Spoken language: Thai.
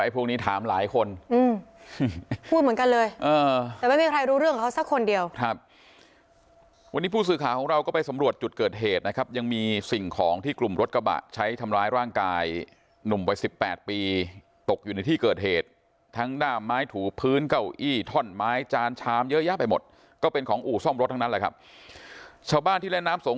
พวกนี้ถามหลายคนพูดเหมือนกันเลยแต่ไม่มีใครรู้เรื่องกับเขาสักคนเดียวครับวันนี้ผู้สื่อข่าวของเราก็ไปสำรวจจุดเกิดเหตุนะครับยังมีสิ่งของที่กลุ่มรถกระบะใช้ทำร้ายร่างกายหนุ่มวัยสิบแปดปีตกอยู่ในที่เกิดเหตุทั้งด้ามไม้ถูพื้นเก้าอี้ท่อนไม้จานชามเยอะแยะไปหมดก็เป็นของอู่ซ่อมรถทั้งนั้นแหละครับชาวบ้านที่เล่นน้ำสง